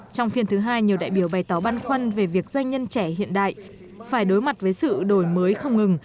trong phiên thứ hai nhiều đại biểu bày tỏ băn khoăn về việc doanh nhân trẻ hiện đại phải đối mặt với sự đổi mới không ngừng